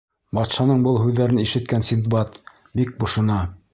Батшаның был һүҙҙәрен ишеткән Синдбад бик бошона.